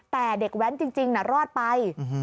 แต่เด็กแว้นจริงรอดไป